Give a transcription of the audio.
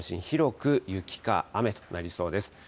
広く、雪か雨となりそうです。